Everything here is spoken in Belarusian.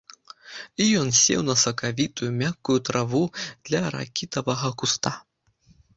І ён сеў на сакавітую, мяккую траву каля ракітавага куста.